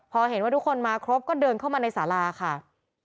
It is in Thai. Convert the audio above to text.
พอเห็นว่าทุกคนมาครบก็เดินเข้ามาในสาราค่ะ